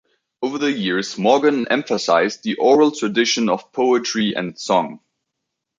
Over the years Morgan emphasised the oral tradition of poetry and song.